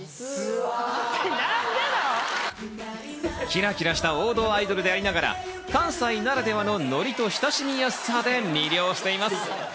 キラキラした王道アイドルでありながら、関西ならではのノリと親しみやすさで魅了しています。